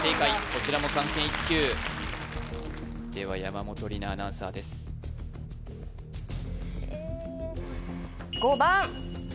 こちらも漢検１級では山本里菜アナウンサーですえー